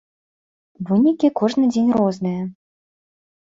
Вынікі кожны дзень розныя.